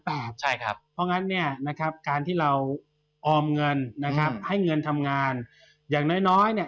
เพราะงั้นการที่เราออมเงินให้เงินทำงานอย่างน้อย